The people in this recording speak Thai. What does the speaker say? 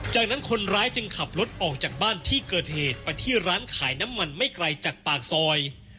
จากนั้นคนร้ายจึงขับรถออกจากบ้านที่เกิดเหตุไปที่ร้านขายน้ำมันไม่ไกลจากปากซอย